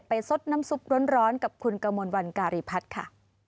สดน้ำซุปร้อนกับคุณกมลวันการีพัฒน์ค่ะ